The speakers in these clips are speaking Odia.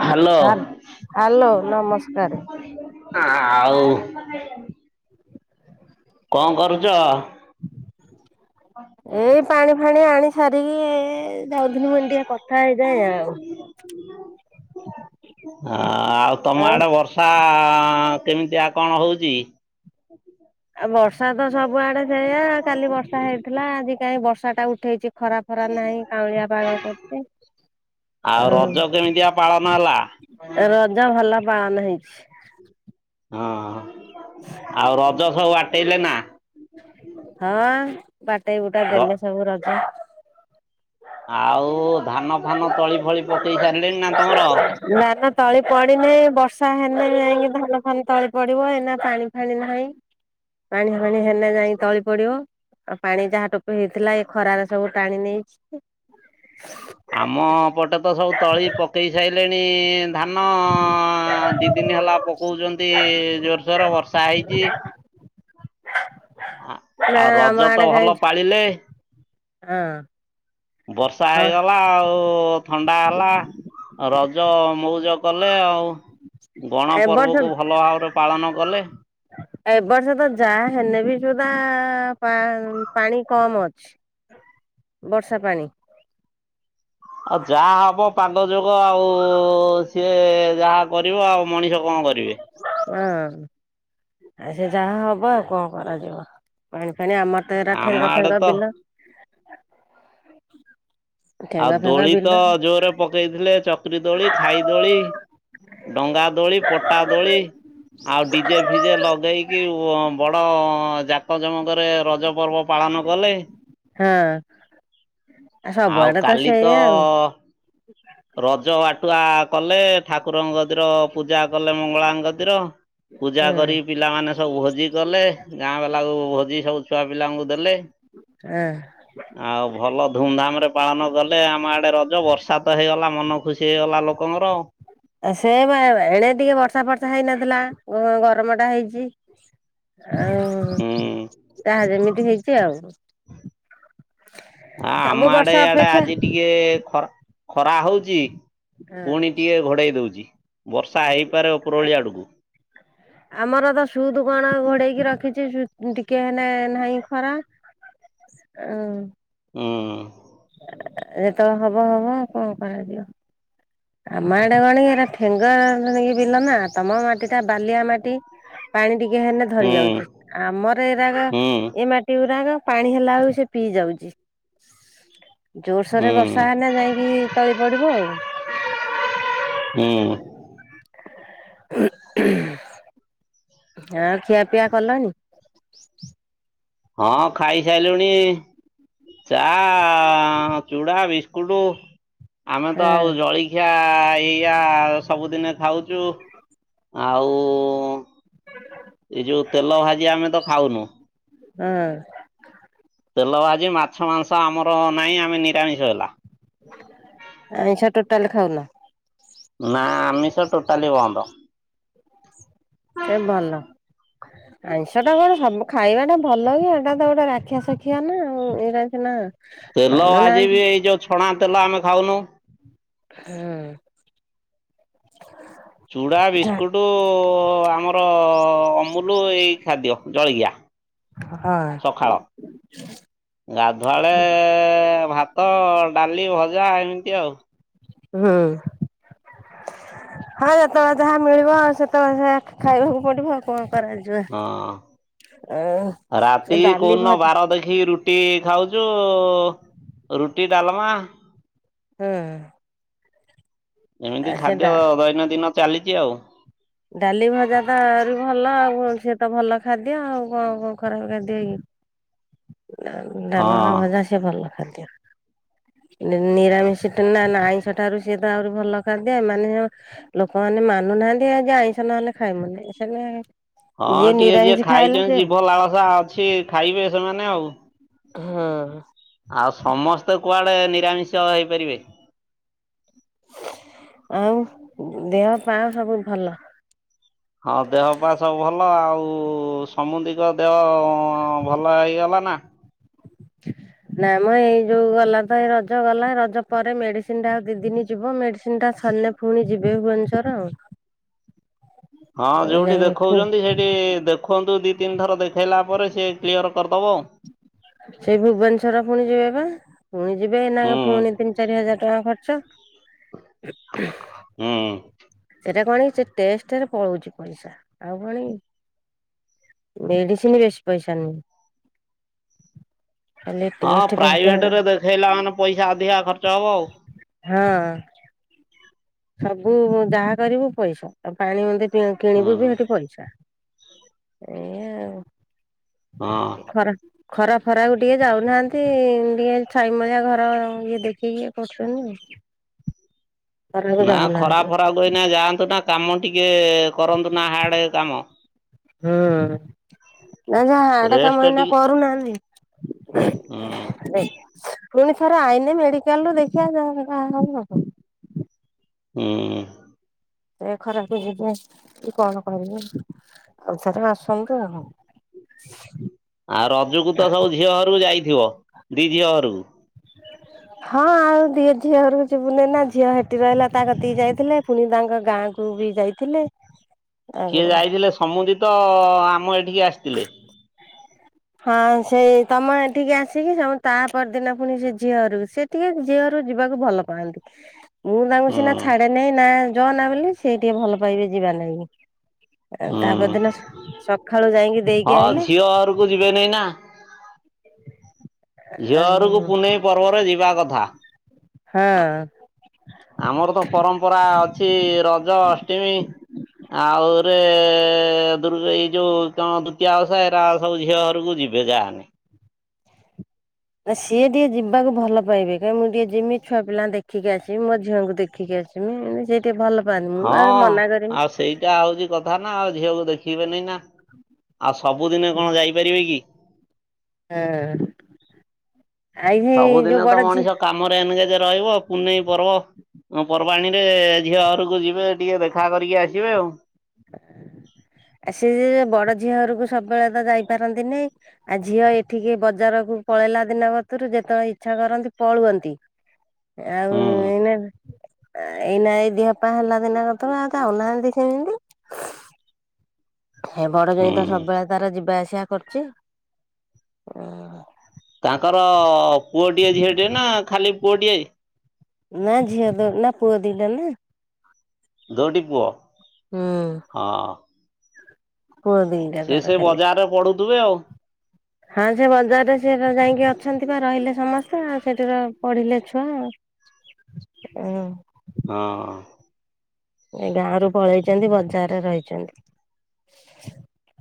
ହାଲୋ। ହାଲ୍ ହ୍ୟାଲୋ ନମସ୍କାରେ। ଆଉ। କଣ କରୁଚ? ଏଇ ପାଣି ଫାଣି ଆଣି ସାରିକି ଏ ଯାଉଥିନି ମୁଁ ଟିକେ କଥା ହେଇଯାଏ ଆଉ। ଆଉ ତମ ଆଉ ଆଡେ ବର୍ଷା ଆ କେମିତିଆ କଣ ହୋଉଚି? ଅଠା [inaudible] ଆ ବର୍ଷା ତ ସବୁଆଡେ ସେଇଆ କାଲି ବର୍ଷା ହେଇଥିଲା ଆଜି କାଁଇଁ ବର୍ଷା ଟା ଉଠେଇଚି ଖରାପ୍ ଖରା ନାହିଁ କାଉଁଳିଆ ପାଗ କରୁଚି ଆଉ ଅଁ ରଜ କେମିତିଆ ପାଳନ ହେଲା? ରଜ ଭଲ ପାଳନ ହେଇଚି। ହଁ ଆଉ ରଜ ସବୁ ବାଟେଇଲେ ନା। ହଁ ବାଟେଇ ବୁଟା ର ଦେଲେ ସବୁ ରଜ। ଆଉ ଧାନ ଫାନ ତଳି ଫଳି ପକେଇ ସାରିଲେଣି ନା ତମର? ଧାନ ତଳି ପଡି ନେଇଁ ବର୍ଷା ହେନେ ଯାଁଇକି ଧାନ ଫାନ ତଳି ପଡିବ ଏନା ପାଣି ଫାଣି ନାହିଁ। ପାଣି ଫାଣି ହେନେ ଯାଇଁ ତଳି ପଡିବ। ଆଉ ପାଣି ଯାହା ଟୋପ ହେଇଥିଲା ଏ ଖରାରେ ସବୁ ଟାଣି ନେଇଚି। ଆମ ପଟେ ତ ସବୁ ତଳି ପକେଇ ସାଇଲେଣି ଧାନ ଦିଇ ଦିନି ହେଲା ପକୋଉଚନ୍ତି ଜୋର୍ସର ବର୍ଷା ହେଇଚି। ଆ ନା ଆଉ ଆମ ରଜ ତ ଆଡେ କାଇଁ ଭଲ ପାଳିଲେ। ହଁ ବର୍ଷା ହଁ ହେଇଗଲା ଆଉ ଥଣ୍ଡା ହେଲା ରଜ ମୋଉଜ କଲେ ଆଉ। ଏ ବର୍ଷ ଗଣପର୍ବକୁ ଭଲ ଭାବରେ ପାଳନ କଲେ। ଏ ବର୍ଷ ତ ଯାହା ହେନେ ବି ସୁଧା ପାଁ ପାଣି କମ ଅଛି। ବର୍ଷା ପାଣି। ଆଉ ଯା ହବ ପାଗ ଯୋଗ ଆଉ ସିଏ ଯାହା କରିବ ଆଉ ମଣିଷ କଣ କରିବେ। ହଁ। ଆ ସେ ଯାହା ହବ ଆଉ କଣ କରାଯିବ ପାଣି ଫାଣି ଆମର ତ ଏରା ଆମ ଠେଙ୍ଗ ଆଡେ ଫେଙ୍ଗ ତ ବିଲ ଆଉ ଠେଙ୍ଗା ଫେଙ୍ଗା ଦୋଳି ବିଲ ତ ଜୋରେ ପକେଇଥିଲେ ଚକ୍ରି ଦୋଳି ଖାଇ ଦୋଳି। ଡଙ୍ଗା ଦୋଳି ପଟା ଦୋଳି। ଆଉ ଡିଜେ ଫିଜେ ଲଗେଇକି ବଡ ଜାକ ଜମକରେ ରଜ ପର୍ବ ପାଳନ କଲେ ହଁ ଆଉ ସବୁଆଡେ କାଲି ତ ସେଇଆ ଆଉ ରଜ ବାଟୁଆ କଲେ ଠାକୁରଙ୍କ କତିର ପୂଜା କଲେ ମଙ୍ଗଳାଙ୍କ କତିର। ପୂଜା ହୁଁ କରି ପିଲାମାନେ ସବୁ ଭୋଜି କଲେ ଗାଁ ବାଲାକୁ ଭୋଜି ସବୁ ଛୁଆ ପିଲାଙ୍କୁ ଦେଲେ? ଏ। ଆଉ ଭଲ ଧୁମଧାମ ରେ ପାଳନ କଲେ ଆମ ଆଡେ ରଜ ବର୍ଷା ହେଇଗଲା ମନ ଖୁସି ହେଇଗଲା ଲୋକଙ୍କର ଆଉ। ଆ ସେ ବା ଏଣେ ଟିକେ ବର୍ଷା ଫର୍ଷା ହେଇନଥିଲା, ଗରମ ଟା ହେଇଛି। ଓଉ ହୁଁ ତାହା ଯେମିତି ହେଇଛି ଆଉ। ଆ ଆମ ସବୁ ଆଡେ ବର୍ଷ ଇଆଡେ ଅପେକ୍ଷା ଆଜି ଟିକେ ଖରା ଖରା ହଉଛି ହଁ ପୁଣି ଟିକେ ଘୋଡ଼େଇ ଦଉଛି ବର୍ଷା ହେଇପାରେ ଉପରଳିଆଡ଼କୁ, [inaudible] ଆମର ତ ସୁଦ କଣ ଘୋଡେଇକି ରଖିଛି ସୁଦ ଟିକେ ନାହିଁ ଖରା, ଅ [unintelligible] ହୁଁ। ଯେତେବେଳେ ହବ ହବ କଣ କରାଯିବ। ଆମ ଆଡେ କଣ ଏ ଠେଙ୍ଗ ବିଲ ନା ତମ ମାଟି ଟା ବାଲିଆ ମାଟି ପାଣି ଟିକେ ହେଲେ ହୁଁ ଧୋଇ ଯାଉଛି ଆମର ଏରାର ହୁଁ ଏ ମାଟି ଗୁରାର ପାଣି ହେଲା ବେଳକୁ ସେ ପିଇ ଯାଉଛି। ହୁଁ ଜୋରସୋରରେ ବର୍ଷା ହେନା ଯାଇକି ତଳି ପଡିବ ଆଉ। ହୁଁ ହଁ ଖିଆପିଆ କଲଣିି? ହଁ ଖାଇସାରିଲୁଣି ଚା ଚୁଡା ବିସ୍କୁଟ ଆମେ ତ ହଁ ଆଉ ଜଳି ଏଇଆ ଏଇଆ ସବୁଦିନେ ଖାଉଛୁ ଆଉ ଏଇ ଯୋଉ ତେଲ ଭାଜି ଆମେ ତ ଖାଉନୁ। ହଁ। ତେଲ ଭାଜି ମାଛ ମାଂସ ଆମର ନାହିଁ ଆମେ ନିରାମିଷ ହେଲା। ଆଇଁଷ ଟୋଟାଲ୍ ଖାଉନ? ନା ଆମିଷ ଟୋଟାଲି ବନ୍ଦ। ସେ ଭଲ ଆଇଁଷ ଟା କଣ ସବୁ ଖାଇବାଟା ଭଲ କି ଏଟା ତ ଗୋଟେ ରାକ୍ଷସ ଖିଆ ନା ଏଇରା ସିନା ତେଲ ଆଜି ମାନୁନାହାନ୍ତି ବି ଏଇ ଯୋଉ ଛଣା ତେଲ ଆମେ ଖାଉନୁ। ହୁଁ। ଚୁଡ଼ା ବିସ୍କୁଟ ଆମର ଅମୁଲ ଏଇ ଖାଦ୍ୟ ଜଳିକିଆ। ହଁ। ଗାଧୁଆଳେ ଭାତ ଡାଲି ଭଜା ଏମିତି ଆଉ ହୁଁ। ହଁ ଯେତେବେଳେ ଯାହା ମିଳିବ ସେତେବେଳେ ସେଇଆ ଖାଇବାକୁ ପଡିବ କଣ କରାଯିବ। ଆଉ ହଁ ସେ ରାତି କହୁ ଡାଲି ଦିନ ଭଜା ବାର ଦେଖିକି ରୁ ଟି ଖାଉଛୁ ରୁଟି ଡାଲମା, ହୁଁ। ଏମିତି ଆ ସେ ଖାଦ୍ୟ ଡା ଦୈନନ୍ଦିନ ଚାଲିଛି ଆଉ ଡାଲି ଭଜା ତ ଆହୁରି ଭଲ ସିଏ ତ ଭଲ ଖାଦ୍ୟ ଆଉ କଣ କଣ ଖରାପ ଖାଦ୍ୟ କି? ଉ ହଁ। ଡାଲମା ଭଜା ସେ ଭଲ ଖାଦ୍ୟ। ନି ନିରାମିଷ ନା ନା ଆଇଁଷ ଠାରୁ ସିଏ ତ ଆହୁରି ଭଲ ଖାଦ୍ୟ ଏମାନେ ଲୋକମାନେ ମାନୁନାହାନ୍ତି ଆଜି ଆଇଁଷ ନଣିଲେ ଖାଇବୁଣି ସେମାନେ ହଁ ଟିକେ ଯିଏ ନିରାମିଷ ଖାଇଲା ଖାଇଛନ୍ତି ସେ ଜିଭ ଲାଳସା ଅଛି ଖାଇବେ ସେମାନେ ଆଉ ହଁ। ଆଉ ସମସ୍ତେ କୁଆଡେ ନିରାମିଷ ହେଇପାରିବେ, ଆଉ ଦେହ ପା ସବୁ ଭଲ? ହଁ ଦେହ ପା ସବୁ ଭଲ ଆଉ ସମୁଦିଙ୍କ ଦେହ ଭଲ ହେଇଗଲା ନା? କେ [inaudible] ନା ମ ଏଇ ଯୋଉ ଗଲା ତ ଏଇ ରଜ ଗଲା ରଜ ପରେ ମେଡିସିନ୍ ଟା ଆଉ ଦି ଦିନି ଯିବ ମେଡିସିନ ଟା ସନେ ପୁଣି ଯିବେ ଭୁବନେଶ୍ୱର ଆଉ। ହଁ ଯୋଉଠି ଯାଇକି ଦେଖଉଛନ୍ତି ସେଇଠି ଦେଖ ଦେଖନ୍ତୁ ଦି ତିନି ଥର ଦେଖେଇଲା ପରେ ସେ କ୍ଲିୟର କରିଦବ ଆଉ। ସେଇ ଭୁବନେଶ୍ଵର ପୁଣି ଯିବେ ପା ପୁଣି ଯିବେ ନା ହୁଁ ପୁଣି ତିନି ଚାରି ହଜାର ଟଙ୍କା ଖର୍ଚ୍ଚ ହୁଁ ହୁଁ। ସେଟା କଣକି ସେ ଟେଷ୍ଟରେ ପଳଉଛି ପଇସା ଆଉ କଣକି? ମେଡିସିନ ବେଶୀ ପଇସା ନୁହେଁ। ଖାଲି ହଁ ଟେଷ୍ଟ ଫେଷ୍ଟ ଗୁରା ପ୍ରାଇଭେଟ ରେ ଦେଖେଇଲା ମାନେ ପଇସା ଅଧିକା ଖର୍ଚ୍ଚ ହବ ଆଉ। ହଁ। ସବୁ ଯାହା କରିବୁ ପଇସା ପାଣି ଆଉ ମଦେ ଟିକେ ହୁଁ କିଣିବୁ ବି ସେଠି ପଇସା। ଏୟା ଆଉ ଏ ହଁ। ଖରା ଖରା ଫରାକୁ ଟିକେ ଯାଉନାହାନ୍ତି ଟିକେ ଛାଇ ମୁଳିଆ ଘର ଇଏ ଦେଖିକି ଇଏ କରୁଛନ୍ତି। ଖରାକୁ ନା ଖରା ଯାଉନାହାନ୍ତି ଫରା କୁନା ଯାଆନ୍ତୁନା କାମ ଟିକେ କରନ୍ତୁ ନା ହାର୍ଡ କାମ। ହୁଁ। ନା ଯାହା ହାର୍ଡ଼ ରେଷ୍ଟ କାମ ଏଇନା ଟିକେ କରୁନାହାନ୍ତି ହୁଁ ରେ ପୁଣି ଥରେ ଆଇନ ମେଡିକାଲ ରୁ ଦେଖିବା ଯାହା [unintelligible] ହୁଁ। ଏ ଖରାପ ଯିବ କି କଣ କରିବି ଆଉ ଥରେ ଆସନ୍ତୁ ଆଉ ଆ ରଜକୁ ତ ସବୁ ଝିଅ ଘରକୁ ଯାଇଥିବ, ଦି ଝିଅ ଘରକୁ [unintelligible] ହଁ ଆଉ ଦି ଝିଅ ଘରକୁ ଯିବୁନି ନା ଝିଅ ହେଠି ରହିଲା ତା କତିକି ଯାଇଥିଲେ ପୁଣି ତାଙ୍କ ଗାଁ କୁ ବି ଯାଇଥିଲେ ଆଉ କିିଏ ଯାଇଥିଲେ ସମୁଦି ତ ଆମ ଏଠିକି ଆସିଥିଲେ। ହଁ ସେଇ ତମ ଏଠିକି ଆସିକି ସ ତା ପରଦିନ ପୁଣି ସେ ଝିଅ ଘରକୁ ସେ ଟିକେ ଝିଅ ଘରକୁ ଯିବାକୁ ଭଲ ପାଆନ୍ତି। ମୁଁ ତାଙ୍କୁ ହୁଁ ସିନା ଛାଡେ ନେଇ, ନା ଯନା ବୋଲି ସେ ଟିକେ ଭଲ ପାଇବେ ଯିବା ନାଗି ଆ ହୁଁ ତାପରଦିନ ସକାଳୁ ଯାଇକି ଦେଇକି ଆଇଲେ। କୁ ଯିବେ ନେଇ ନା। [inaudible] ଝିଅ ଘରକୁ ଆଉ ପୁନେଇ ପର୍ବରେ ଯିବା କଥା ହଁ ହ ଆମର ତ ପରମ୍ପରା ଅଛି ରଜ, ଅଷ୍ଟମୀ ଆଉରେ ଦୁର୍ ଏଇ ଯୋଉ କଣ ଦ୍ୱତୀୟ ଓଷା ଏରା ଆଉ ସବୁ ଝିଅ ଘରକୁ ଯିବି। ବେଜା ହେଲେ ନା ସିଏ ଟିକେ ଯିବାକୁ ଭଲ ପାଇବେ କାଇଁ ମୁଁ ଟିକେ ଜିମି ଛୁଆ ପିଲା ଦେଖିକି ଆସିବି, ମୋ ଝିଅଙ୍କୁ ଦେଖିକି ଆସିବି। ଜିମି ଯେ ଟିକେ ଭଲ ପାଆନ୍ତିି ମୁଁ ଆହୁରି ମନା କରିମି ଏଟା ହଉଛି କଥା ନା ଆଉ ଝିଅକୁ ଦେଖିବେନି ନା ଆଉ ସବୁଦିନେ କଣ ଯାଇପାରିବେ କି? ହଁ ଆଇ ଭି ସବୁଦିନେ ଯୋଉ ତ ବଡ଼ ଝିଅ। ମଣିଷ କାମରେ ଏନଗେଜ ରହିବ ପୁନେଇ ପର୍ବ ହଁ ପର୍ବାଣୀରେ ଝିଅ ଘରକୁ ଯିବେ ଟିକେ ଦେଖା କରିକି ଆସିବେ ଆଉ ସିଏ ବଡ ଝିଅ ଘରକୁ ସବୁବେଳେ ତ ଯାଇପାରନ୍ତି ନେଇ। ଆ ଝିଅ ଏଠିକି ବଜାରକୁ ପଳେଇଲା ଦିନ କତରୁ ଯେତେବେଳେ ଇଚ୍ଛା କରନ୍ତି ପଳୁଅନ୍ତି। ଆଉ ହୁଁ ଏଇନା ଏଇନା ଏ ଦିହପାହା ହେଲା ଦିନା କ ତାବା ଆଉ ଖାଉ ନାହାଁନ୍ତି ସେମତି ହେ ବଡ ଜୋଇଁ ହୁଁ ତ ସବୁବେଳେ ତାର ଯିବା ଆସିବା କରୁଛି। ତାଙ୍କର ପୁଅଟିଏ ଝିଅଟେ ନା ଖାଲି ପୁଅଟିଏ? ନା ଝିଅ ଦ- ନା ପୁଅ ଦିଟା ନା। ଦୁଇଟି ପୁଅ- ହୁଁ ହଁ। ପୁଅ ଦି ସିଏ ସେ ବଜାର୍ ରେ ପଢୁଥିବେ ଆଉ। ହଁ ସେ ବଜାର୍ ରେ ସେ ଯାଇକି ଅଛନ୍ତି ବା ରହିଲେ ସମସ୍ତେ ଆଉ ସେଠି-ର ପଢିଲେ ଛୁଆ ଆଉ। ଅଁ ହଁ। ଏ ଗାଁରୁୁ ପଳେଇଚନ୍ତି ବଜାର୍ ରେ ରହିଚନ୍ତି।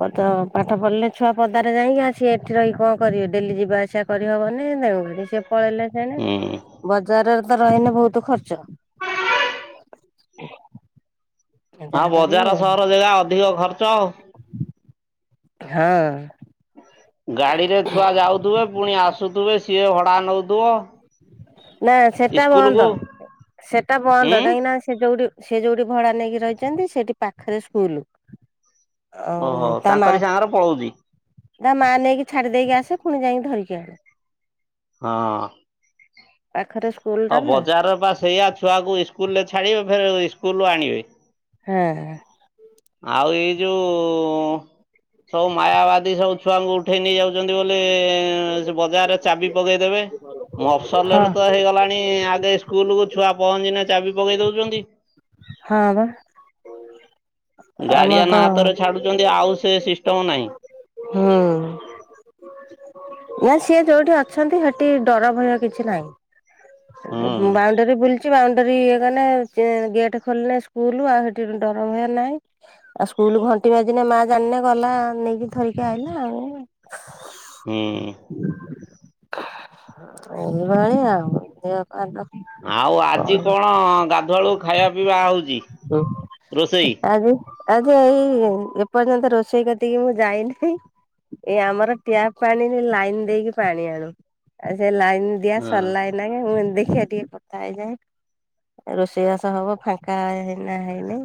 ହଁ ତ ପାଠ ପଢିଲେ ଛୁଆ ପଦାରେ ଯାଇକିଁ ଆଁ-ସେ ଏଠି ରହିି କଣ କରିବେ ଡେଲି ଯିବା ଆସିବା କରିହବନି ତେଣୁ କରି ସେ ପଳେଇଲେ। ହେଣେ ହଁ ହୁଁ ବଜାର୍ ରେ ତ ରହିଲେ ବହୁତୂ ଖର୍ଚ୍ଚ। ଆଉ ଯାହା କରିବେ ବଜାର ଆଉ ସହର ଜାଗା ଅଧିକ ଖର୍ଚ୍ଚ ଆଉ। ହାଁ। ଗାଡିରେ ଛୁଆ ଯାଉଥୁବେ ପୁଣି ଆସୁଥୁବେ ସିଏ ଭଡା ନଉଥିବ ନା ସେଟା ଇସ୍କୁଲକୁ ବନ୍ଦ- ସେଟା ଉଁ ବନ୍ଦ କାହିଁକି ନା ସେ ଯଉଠି-ସେ ଯଉଠି ଭଡା ନେଇକି ରହିଚନ୍ତି ସେଠି ପାଖେରେ ସ୍କୁଲୁ। ଆଉ ଓହୋ ତା ମା ତାଙ୍କରି ସାଙ୍ଗରେ ପଳଉଛି ତା ମାଆ ନେଇକି ଛାଡ଼ି ଦେଇକି ଆସେ ପୁଣି ଯାଇଁକି ଧରିକି ଆସେ। ହଁ। ପାଖେରେ ସୁ ହଁ ବଜାର୍ ର ବା ସେଇଆ ଛୁଆକୁ ଇସ୍କୁଲୁ ରେ ଛାଡିବେ ଫେରେ ଇସ୍କୁଲରୁ ଆଣିବେ। ହାଁ। ଆଉ ଏଇ ଯଉ ସବୁ ମାୟାବାଦୀ ସବୁ ଛୁଆଙ୍କୁ ଉଠ୍ ଟ୍ରେନି ଯାଉଚନ୍ତି ବୋଲି ସେ ବଜାର୍ ରେ ଚାବି ପକେଇଦେବେ। ମଫସଲ୍ ରେ ହଁ ତ ହେଇଗଲାଣି ଆଗେ ସ୍କୁଲୁ କୁ ଛୁଆ ପହଞ୍ଚିନା ଚାବି ପକେଇ ଦଉଚନ୍ତି। ହଁ ବା। ଆମର ତ ଗାଡିଆନ ହାତରେ ଛାଡୁଚନ୍ତି ଆଉ ସେ ସିଷ୍ଟମ ନାହିଁ। ହଁ। ନା ସିଏ ଯଉଠି ଅଛନ୍ତି ସେଠି ଡର ଭୟ କିଛି ନାହିଁ ମୁଁ ବା ହୁଁ ବାଉଣ୍ଡରୀ ବୁଲିଚି ବାଉଣ୍ଡରୀ ଗଲେ ଗେ-ଗେଟ୍ ଖୋଲିଲେ ସ୍କୁଲୁ ଆଉ ସେଠି ଡର ଭୟ ନାହିଁ। ଆଉ ସ୍କୁଲ ଘଣ୍ଟି ବାଜିନେ ମା ଜାଣିନେ ଗଲା ନେଇକି ଧରିକି ଆଇଲା ଆଉ। ହୁଁ। ଏଇଭଳି ଆଉ [unintelligible] ପାଗ। ଆଉ ଆଜି କଣ ଗାଧୁଆଳୁ ଖାଇବା ପିଇବା ହଉଚି ରୋଷେଇ? ଆଜି ଆଜି ଏଇ ଏ- ଏପର୍ଯ୍ୟନ୍ତ ରୋଷେଇ କତିକି ମୁଁ ଯାଇନି। ଏଇ ଆମର ଟ୍ୟାପ୍ ପାଣିି ଲାଇନ୍ ଦେଇକି ପାଣି ଆଣୁ ଆଉ ସେ ଲାଇନ୍ ଦିଆ ହଁ ସରିଲା ଏଇନାକେ ମୁଁ ଦେଖିବା ଟିକେ କଥା ହେଇଯାଏ। ରୋଷେଇ ବାସ ହବ ଫାଙ୍କା ହେଇନା ହେଲେ।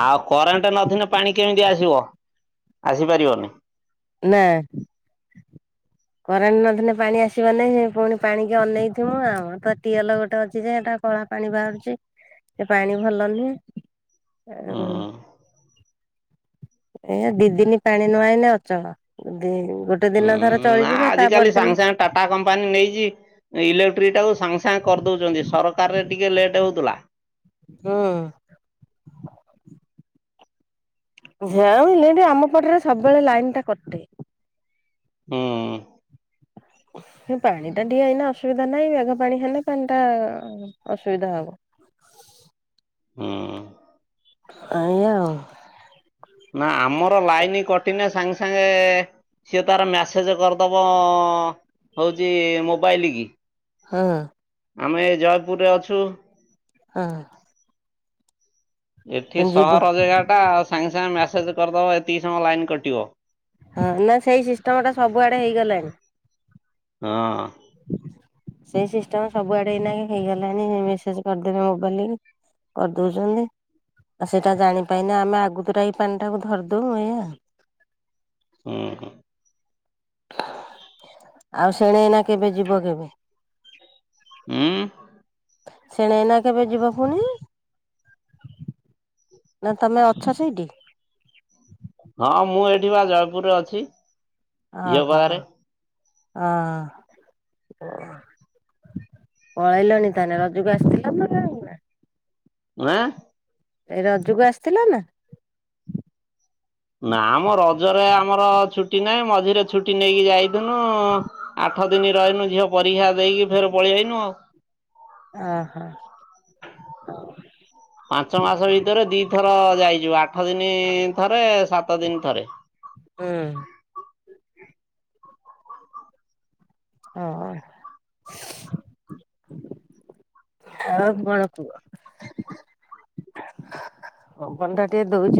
ଆଉ କରେଣ୍ଟେ ନଥିଲେ ପାଣି କେମିତି ଆସିବ ଆସିପାରିବନି। ନା। କରେଣ୍ଟ୍ ନଥିଲେ ପାଣି ଆସିବ ନାଇଁ ପୁଣି ପାଣିକି ଅନେଇଥିବୁ ଆଉ ତ ଟିଏଲ ଗୋଟେ ଅଛି ଯେ ଏଟା କଳା ପାଣି ବାହାରୁଚି ସେ ପାଣି ଭଲ ନୁହେଁ। ହୁଁ। ଏ-ଉଁ-ଦିଦି ନି ପାଣି ନଆଇଲେ ଅ ଚଳ ଦି-ଗୋଟେ ହୁଁ ଦିନ ଧର ନା ଚଳିଯିବେ ତା ଆଜିକାଲି ସାଙ୍ଗେ ପର୍ଦିନ ସାଙ୍ଗେ ଟାଟା କମ୍ପାନୀ ନେଇଚି ଇଲେକ୍ଟ୍ରିଟାକୁ ସାଙ୍ଗେ ସାଙ୍ଗେ କରିଦଉଚନ୍ତି ସରକାର ରେ ଟିକେ ଲେଟ୍ ହଉଥିଲା। ହୁଁ। ଯା ବିହେଲେ ଆମ ପଟରେ ସବୁବେଳେ ଲାଇନ୍ ଟା କଟେ। ହୁଁ। ପାଣି ଟା ଟିକେ ଏଇନା ଅସୁବିଧା ନାହିଁ ମେଘ ପାଣି ହେଲେ ପାଣି ଟା ଅସୁବିଧା ହବ। ହୁଁ ଆଜ୍ଞା ଆଉ ନା ଆମର ଲାଇନି କଟିନି ସାଙ୍ଗେ ସାଙ୍ଗେ ସିଏ ତାର ମ୍ୟାସେଜ୍ କରିଦେବ ହେଉଛି ମୋବାଇଲ କି ହୁଁ। ଆମେ ଏ ଜୟପୁରରେ ଅଛୁ ହୁଁ ଏଠି ହଁ ଯିବ ସହରଜାଗା ଟା ସାଙ୍ଗେ ସାଙ୍ଗେ ମେସେଜ କରିଦବ ଏତିକି ସମୟ ଲାଇନ କଟିବ। ହଁ ନା ସେଇ ସିଷ୍ଟମ ଟା ସବୁଆଡ଼େ ହେଇଗଲାଣି। ହଁ। ସେଇ ସିଷ୍ଟମ ସବୁଆଡେ ଏଇନା ହେଇଗଲାଣି ମେସେଜ କରିଦେବେ ମୋବାଇଲ ରେ କରିଦଉଛନ୍ତି ଆଉ ସେଇଟା ଜାଣିପନି ଆମେ ଆଗତର ଏଇ ପାଣି ଟାକୁ ଧରିଦଉ ଏଇଆ। ହୁଁ। ଆଉ ଶେଣେ ନା କେବେ ଯିବ କେବେ? ଶେଣେଇନା କେବେ ଯିବ ପୁଣି? ନା ତମେ ଅଛ ସେଇଠି? ହଁ ମୁଁ ଏଠି ବା ଜୟପୁରରେ ଅଛି। ଓ ଝିଅ ହୋ ପାଖରେ ହଁ ପଳେଇଲଣି ତାହେଲେ ରଜକୁ ଆସିଥିଲା ତ ଆଁ? ଏ ରଜକୁ ଆସିଥିଲ ନା? ନା ଆମ ରଜରେ ଆମର ଛୁଟି ନାହିଁ ମଝିରେ ଛୁଟି ନେଇକି ଯାଇଥିଲୁ। ଆଠ ଦିନ ରହିନୁ ଝିଅ ପରୀକ୍ଷା ଦେଇକି ଫେର ପଳେଇଆଇନୁ ଆଉ। ଅ ହୋ ପାଞ୍ଚ ମାସ ଭିତରେ ଦିଥର ଯାଇଚୁ ଆଠ ଦିନ ଥରେ ସାତ ଦିନ ଥରେ ହଁ। ହଁ। ଆଉ କଣ କୁହ? ପବନ ଟା ଟିକେ ଦଉଛି।